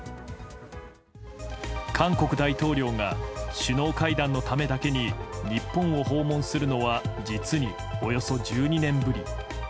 韓国大統領が首脳会談のためだけに日本を訪問するのは実におよそ１２年ぶり。